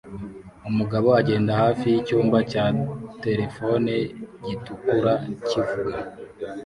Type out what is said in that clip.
Umugabo agenda hafi yicyumba cya terefone gitukura kivuga